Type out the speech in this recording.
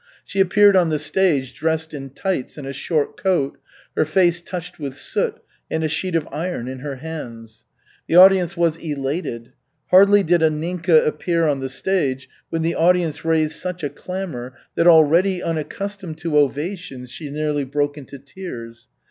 She appeared on the stage dressed in tights and a short coat, her face touched with soot, and a sheet of iron in her hands. The audience was elated. Hardly did Anninka appear on the stage when the audience raised such a clamor that, already unaccustomed to ovations, she nearly broke into tears.